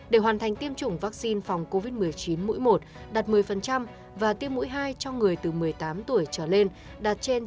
để hoàn thành tiêm chủng vaccine phòng covid một mươi chín mũi một đạt một mươi và tiêm mũi hai cho người từ một mươi tám tuổi trở lên đạt trên ba mươi